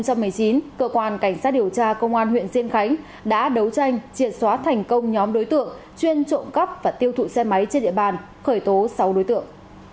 cảnh sát điều tra công an huyện diên khánh đã đấu tranh triệt xóa thành công nhóm đối tượng chuyên trộm cắp và tiêu thụ xe máy trên địa bàn khởi tố sáu đối tượng